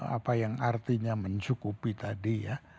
apa yang artinya mencukupi tadi ya